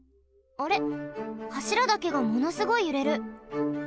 あれはしらだけがものすごいゆれる。